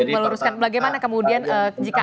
meluruskan bagaimana kemudian jika